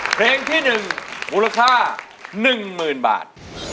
เพลงที่๑มูลค่า๑๐๐๐บาท